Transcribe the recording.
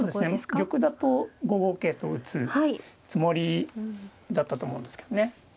玉だと５五桂と打つつもりだったと思うんですけどね。